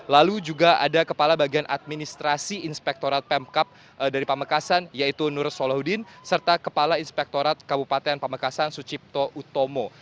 lalu juga ada kepala bagian administrasi inspektorat pemkap dari pamekasan yaitu nur solahuddin serta kepala inspektorat kabupaten pamekasan sucipto utomo